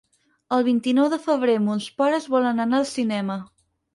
El vint-i-nou de febrer mons pares volen anar al cinema.